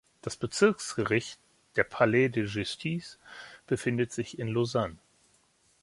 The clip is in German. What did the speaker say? Das Bezirksgericht, der Palais de Justice, befindet sich in Lausanne.